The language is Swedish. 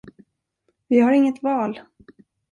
Vi har inget val!